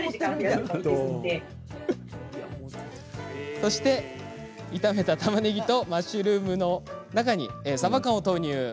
そして炒めた、たまねぎとマッシュルームの中にさば缶を投入。